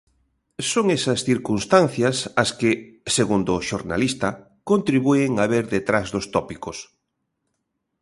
Son esas circunstancias as que, segundo o xornalista, contribúen a ver detrás dos tópicos.